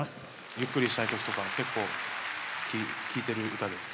ゆっくりしたい時とか結構聴いてる歌です。